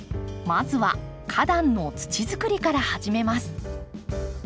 まずは花壇の土づくりから始めます。